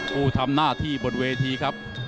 ผู้ทำหน้าที่บนเวทีครับ